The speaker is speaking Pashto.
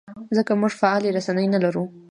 ځکه موږ فعالې رسنۍ نه لرو.